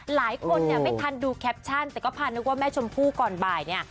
หลายคนเนี่ยไม่ทันดูแคปชั่นแต่ก็พานึกว่าแม่ชมพู่ก่อนบ่ายเนี่ย